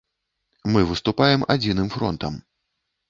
Мы выступаем адзіным фронтам.